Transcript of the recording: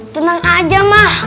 tenang aja mah